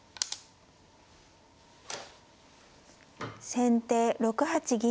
先手６八銀。